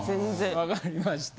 分かりました。